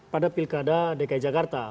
pada pilkada dki jakarta